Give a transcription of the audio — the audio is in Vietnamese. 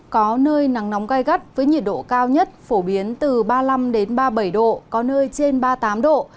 có nơi nắng nóng gai gắt với nhiệt độ cao nhất phổ biến từ ba mươi năm ba mươi bảy độ có nơi trên ba mươi tám độ